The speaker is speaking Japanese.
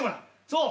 そう。